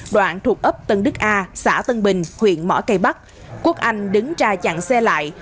đoạn thuộc ấp tân đức a xã tân bình huyện mỏ cây bắc quốc anh đứng ra chặn xe lại